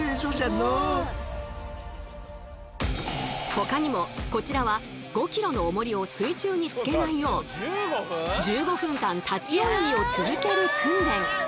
ほかにもこちらは５ｋｇの重りを水中につけないよう１５分間立ち泳ぎを続ける訓練。